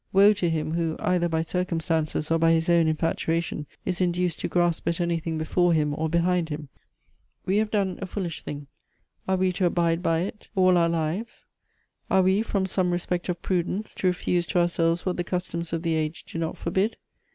Woe to him, who, either by circumstances or by his own infatuation, is induced to grasp at anything before him or behind him. We have done a foolish thing. Are we to abide by it all our Elective Affinities. 209 lives ? Are wbj from some respect of prudence, to i efuse to ourselves what the customs of the age do not forbid